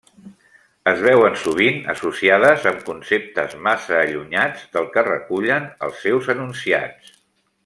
Es veuen sovint associades amb conceptes massa allunyats del que recullen els seus enunciats.